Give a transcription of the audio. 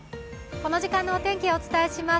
この時間のお天気、お伝えします。